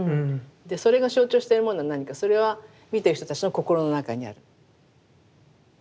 それが象徴してるものは何かそれは見てる人たちの心の中にある。